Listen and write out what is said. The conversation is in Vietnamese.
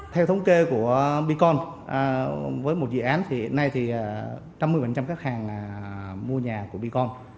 theo thống kê của bicom với một dự án thì nay thì năm mươi các hàng mua nhà của bicom